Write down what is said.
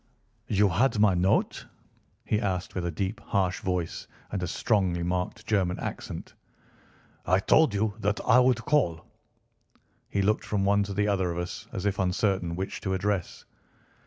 "You had my note?" he asked with a deep harsh voice and a strongly marked German accent. "I told you that I would call." He looked from one to the other of us, as if uncertain which to address.